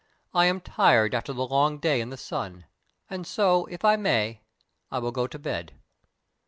I am tired after the long day in the sun; and so, if I may, I will go to bed."